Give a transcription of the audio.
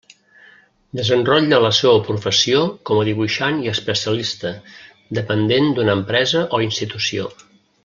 Desenrotlla la seua professió com a dibuixant i especialista dependent d'una empresa o institució.